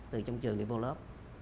từ trong trường đi vào lớp